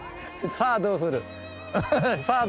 さあどうする？